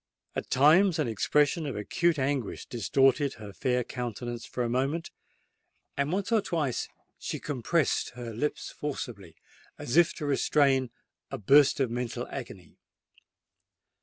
At times an expression of acute anguish distorted her fair countenance for a moment; and once or twice she compressed her lips forcibly, as if to restrain a burst of mental agony.